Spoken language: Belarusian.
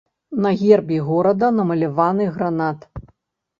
На гербе горада намаляваны гранат.